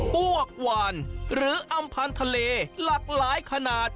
วกวานหรืออำพันธ์ทะเลหลากหลายขนาด